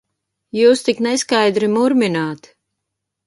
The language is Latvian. Jūs tik neskaidri murmināt!